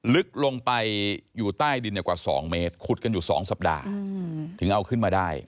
ลึกลงไปอยู่ใต้ดินกว่า๒เมตรขุดกันอยู่๒สัปดาห์ถึงเอาขึ้นมาได้